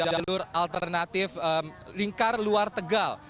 jalur alternatif lingkar luar tegal